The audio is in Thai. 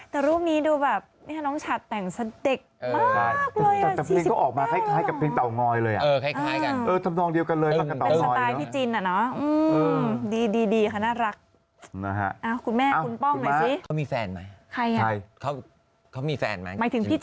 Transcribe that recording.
แต่รูปนี้ดูแบบนี่แฮน้องฉันแต่งสดิคมากเลย